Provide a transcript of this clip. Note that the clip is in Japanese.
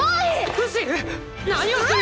⁉フシ⁉何をする！